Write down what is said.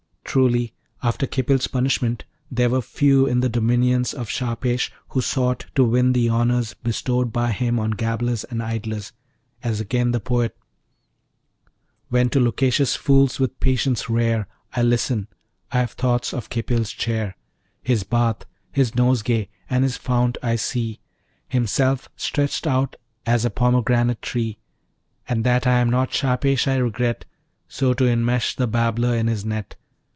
Truly after Khipil's punishment there were few in the dominions of Shahpesh who sought to win the honours bestowed by him on gabblers and idlers: as again the poet: When to loquacious fools with patience rare I listen, I have thoughts of Khipil's chair: His bath, his nosegay, and his fount I see, Himself stretch'd out as a pomegranate tree. And that I am not Shahpesh I regret, So to inmesh the babbler in his net.